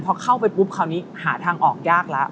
พอเข้าไปปุ๊บคราวนี้หาทางออกยากแล้ว